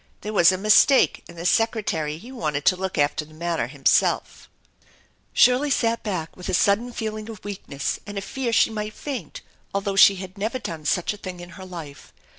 There was a mistake, and the Secretary he wanted to look after the matter himself/' Shirley sat back with a sudden feeling of weakness and a fear she might faint, although she had never done such a tiling in her life.